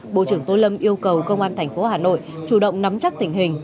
bộ trưởng tô lâm yêu cầu công an thành phố hà nội chủ động nắm chắc tình hình